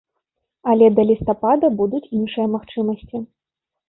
Але да лістапада будуць іншыя магчымасці.